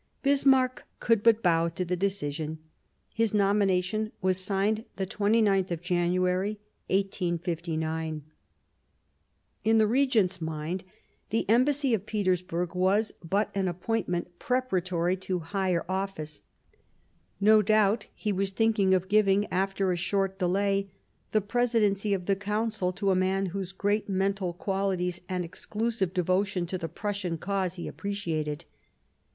Bismarck could but bow to the decision. His nomination was signed the 29th of January, 1859. In the Regent's mind the Embassy of Petersburg was but an appointment preparatory to higher office ; no doubt he was thinking of giving, after a short delay, the Presidency of the Council to a man whose great mental qualities and exclusive devotion to the Prussian Cause he appreciated.